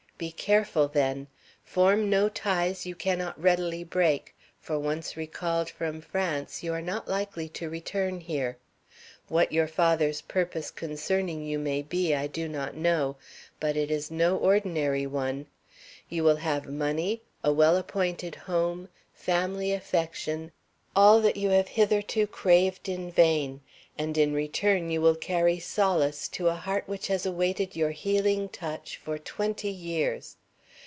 Be careful, then. Form no ties you cannot readily break; for, once recalled from France, you are not likely to return here. What your father's purpose concerning you may be I do not know, but it is no ordinary one. You will have money, a well appointed home, family affection, all that you have hitherto craved in vain, and in return you will carry solace to a heart which has awaited your healing touch for twenty years.